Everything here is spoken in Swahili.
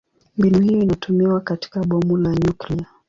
Mbinu hiyo inatumiwa katika bomu la nyuklia.